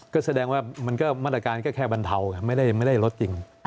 ก็แสดงว่ามันก็มาตรการก็แค่บรรเทาไม่ได้ลดจริง